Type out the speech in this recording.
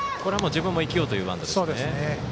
自分も生きようというバントですね。